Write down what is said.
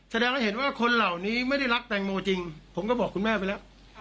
แสดงให้เห็นว่าคนเหล่านี้ไม่ได้รักแตงโมจริงผมก็บอกคุณแม่ไปแล้ว